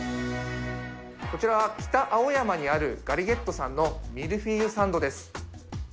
こちら、北青山にあるガリゲットさんのミルフィーユサンドです。